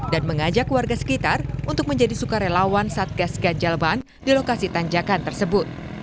dan mengajak warga sekitar untuk menjadi sukarelawan saat gas ganjal ban di lokasi tanjakan tersebut